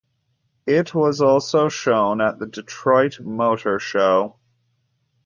It was also shown at the Detroit Motor Show.